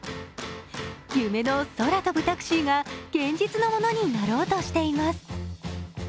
夢の空飛ぶタクシーが現実のものになろうとしています。